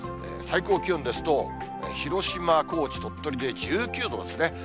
最高気温ですと、広島、高知、鳥取で１９度ですね。